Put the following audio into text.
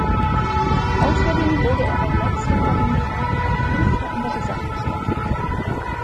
Außerdem wurde er bei letzterer Rundfahrt auch Fünfter in der Gesamtwertung.